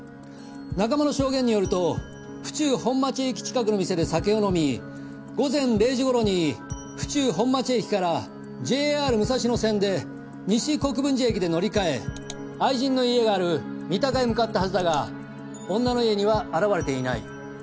仲間の証言によると府中本町駅近くの店で酒を飲み午前０時頃に府中本町駅からＪＲ武蔵野線で西国分寺駅で乗り換え愛人の家がある三鷹へ向かったはずだが女の家には現れていない。